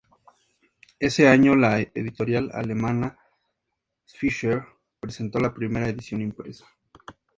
Ese año, la editorial alemana S. Fischer presentó la primera edición impresa.